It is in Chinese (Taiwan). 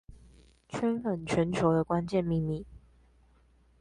圈粉全球的關鍵秘密